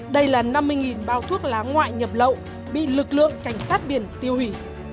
đây là năm mươi bao thuốc lá ngoại nhập lậu bị lực lượng cảnh sát biển tiêu hủy